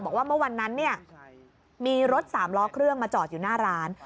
บอกว่าเมื่อวันนั้นเนี่ยมีรถสามล้อเครื่องมาจอดอยู่หน้าร้าน